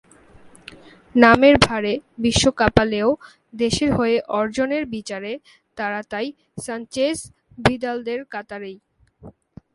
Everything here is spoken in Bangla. নামের ভারে বিশ্ব কাঁপালেও দেশের হয়ে অর্জনের বিচারে তাঁরা তাই সানচেজ-ভিদালদের কাতারেই।